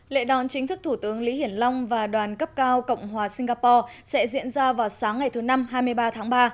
lệ đón chính thức thủ tướng lý hiển long và đoàn cấp cao cộng hòa singapore sẽ diễn ra vào sáng ngày thứ năm hai mươi ba tháng ba